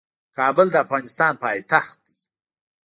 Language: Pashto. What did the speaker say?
کابل د افغانستان پايتخت دی.